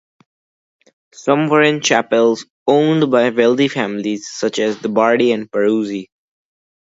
Some were in chapels "owned" by wealthy families such as the Bardi and Peruzzi.